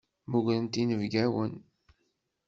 Mmugrent inebgawen.